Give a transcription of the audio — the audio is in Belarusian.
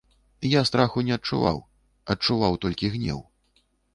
Я страху не адчуваў, адчуваў толькі гнеў.